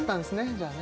じゃあね